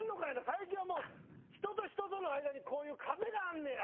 最近はもう人と人との間にこういう壁があんねや。